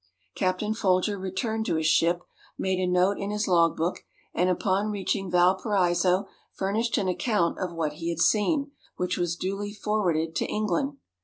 Captain Folger returned to his ship, made a note in his log book, and upon reaching Valparaiso furnished an account of what he had seen, which was duly forwarded to England.